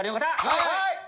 はい！